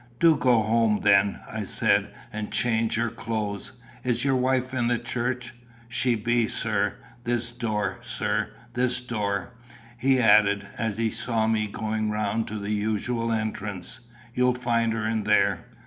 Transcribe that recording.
"Do go home, then," I said, "and change your clothes. Is your wife in the church?" "She be, sir. This door, sir this door," he added, as he saw me going round to the usual entrance. "You'll find her in there."